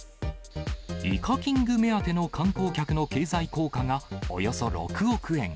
イカキング目当ての観光客の経済効果がおよそ６億円。